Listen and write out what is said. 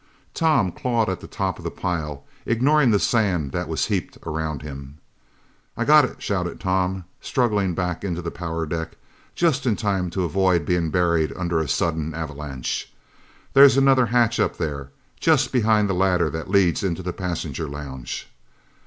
Tom clawed at the top of the pile, ignoring the sand that was heaped around him. "I've got it," shouted Tom, struggling back into the power deck just in time to avoid being buried under a sudden avalanche. "There's another hatch up there, just behind the ladder that leads into the passenger lounge.